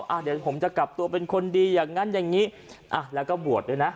อ่ะเดี๋ยวผมจะกลับตัวเป็นคนดีอย่างนั้นอย่างนี้อ่ะแล้วก็บวชด้วยนะ